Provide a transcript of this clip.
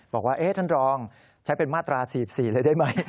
บอกว่าท่านรองใช้เป็นมาตรา๔๔เลยได้ไหม